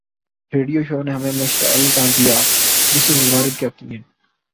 radio show نے ہمیں مشتعل کر دیا مسز وارد کہتی ہے